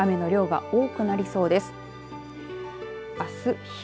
雨の量が多くなりそうです。